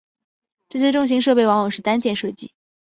这些重型装备往往是单件设计。